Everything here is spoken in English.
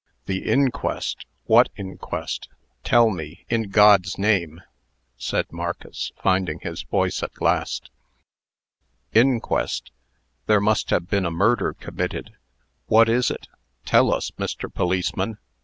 "The inquest! what inquest? Tell me, in God's name!" said Marcus, finding his voice at last. "Inquest! There must have been a murder committed." "What is it?" "Tell us, Mr. Policeman."